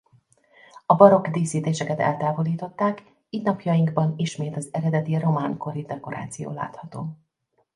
A barokk díszítéseket eltávolították így napjainkban ismét az eredeti román kori dekoráció látható.